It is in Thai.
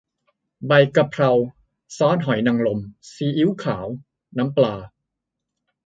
ใบกะเพรา ซอสหอยนางรม ซีอิ๊วขาว น้ำปลา